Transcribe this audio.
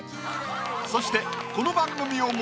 そしてこの番組を